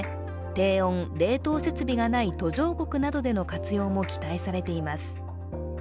低温冷凍設備がない途上国などでの活用も期待されています。